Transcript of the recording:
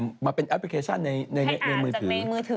มาเป็นแอปพลิเคชันในมือถือ